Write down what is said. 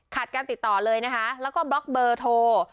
การติดต่อเลยนะคะแล้วก็บล็อกเบอร์โทร